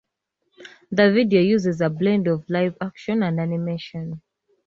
The video uses a blend of live action and animation.